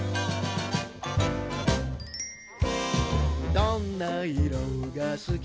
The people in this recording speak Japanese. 「どんな色がすき」